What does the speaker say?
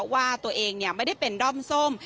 ว่าตัวเองไม่ได้เป็นด้อมส้ม